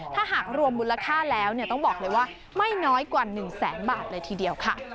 ถ้าหากรวมมูลค่าแล้วต้องบอกเลยว่าไม่น้อยกว่า๑แสนบาทเลยทีเดียวค่ะ